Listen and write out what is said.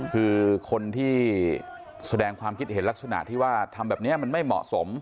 คือคนที่แสดงความคิดเห็นลักษณะที่ว่าทำแบบนี้มันไม่เหมาะสม